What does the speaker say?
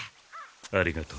ありがとう。